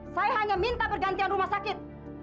saya hanya minta pergantian rumah sakit